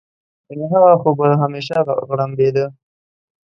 ګنې هغه خو به همېشه غړمبېده.